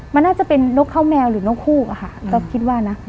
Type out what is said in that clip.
มันน่าจะเป็นนกข้าวแมวหรือนกฮูกอะค่ะก็คิดว่านะ